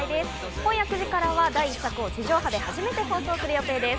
今夜９時からは第１作を地上波で初めて放送する予定です。